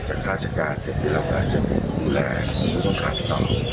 มันก็ต้องขาดไปต่อไป